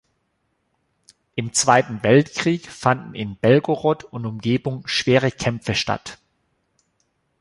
Im Zweiten Weltkrieg fanden in Belgorod und Umgebung schwere Kämpfe statt.